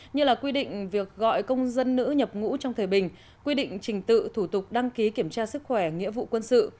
như là quy định việc gọi công dân nữ nhập ngũ trong thời bình quy định trình tự thủ tục đăng ký kiểm tra sức khỏe nghĩa vụ quân sự